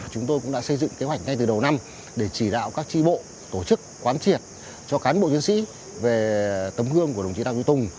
chúng tôi cũng đã xây dựng kế hoạch ngay từ đầu năm để chỉ đạo các tri bộ tổ chức quán triệt cho cán bộ chiến sĩ về tấm gương của đồng chí đào duy tùng